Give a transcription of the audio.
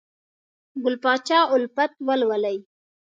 ګل پاچا الفت ولولئ!